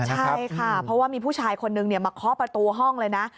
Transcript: ใช่ค่ะเพราะว่ามีผู้ชายคนนึงมาเคาะประตูห้องเลยนะ